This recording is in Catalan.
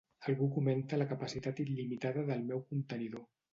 Algú comenta la capacitat il·limitada del meu contenidor.